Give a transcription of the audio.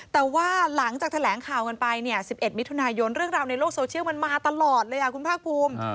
แต่ว่าหลังจากแถลงข่าวกันไปเนี่ย๑๑มิถุนายนเรื่องราวในโลกโซเชียลมันมาตลอดเลยคุณภาคภูมิ